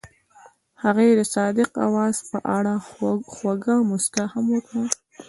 هغې د صادق اواز په اړه خوږه موسکا هم وکړه.